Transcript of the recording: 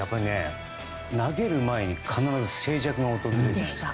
投げる前に必ず静寂が訪れていた。